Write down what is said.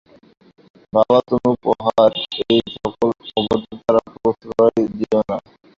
বাবা, তুমি উহার এইসকল অভদ্রতায় প্রশ্রয় দিয়ো না।